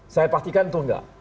saya pastikan itu enggak